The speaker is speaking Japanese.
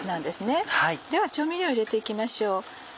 では調味料を入れて行きましょう。